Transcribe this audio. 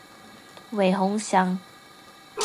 韦宏翔